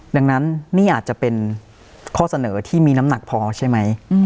ดังนั้นนี่อาจจะเป็นข้อเสนอที่มีน้ำหนักพอใช่ไหม